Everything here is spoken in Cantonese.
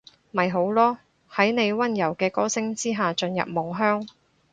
咪好囉，喺你溫柔嘅歌聲之下進入夢鄉